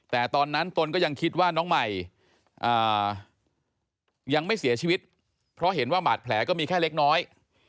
แต่ตอนนั้นตนก็ยังคิดว่าน้องใหม่ยังไม่เสียชีวิตเพราะเห็นว่าบาดแผลก็มีแค่เล็กน้อย